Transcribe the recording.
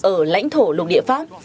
ở lãnh thổ lục địa pháp